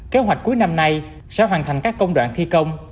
kế hoạch cuối năm nay sẽ hoàn thành các công đoạn thi công